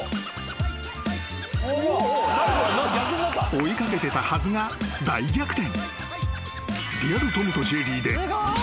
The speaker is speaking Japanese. ［追い掛けてたはずが大逆転］